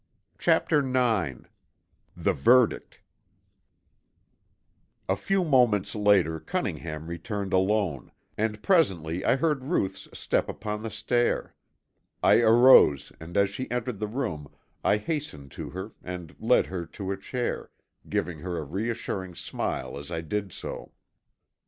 CHAPTER IX THE VERDICT A few moments later Cunningham returned alone, and presently I heard Ruth's step upon the stair. I arose and as she entered the room I hastened to her and led her to a chair, giving her a reassuring smile as I did so.